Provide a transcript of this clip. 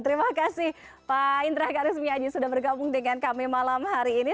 terima kasih pak indra garis miaji sudah bergabung dengan kami malam hari ini